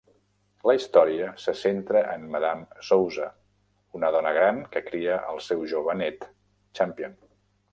La història se centra en Madame Souza, una dona gran que cria el seu jove nét, Champion.